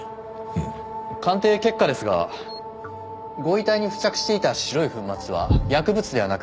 うん。鑑定結果ですがご遺体に付着していた白い粉末は薬物ではなく片栗粉。